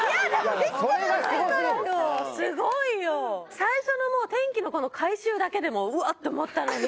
最初のもう『天気の子』の回収だけでもうわっ！って思ったのに。